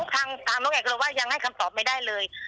ตามนกแอก็ว่ายังให้คำตอบไม่ได้เลย